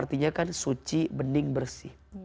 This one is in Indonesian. artinya kan suci bening bersih